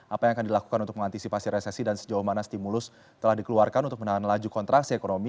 apa yang akan dilakukan untuk mengantisipasi resesi dan sejauh mana stimulus telah dikeluarkan untuk menahan laju kontraksi ekonomi